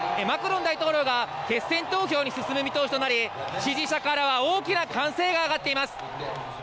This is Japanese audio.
マクロン大統領が決選投票へ進む見通しとなり、支持者からは大きな歓声があがっています。